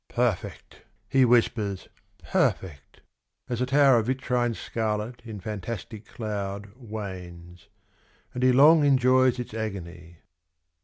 " Perfect !" he whispers, " Perfect !" as a tower Of vitrine scarlet in fantastic cloud Wanes : and he long enjoys its agony.